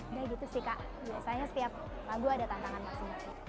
udah gitu sih kak biasanya setiap lagu ada tantangan masing masing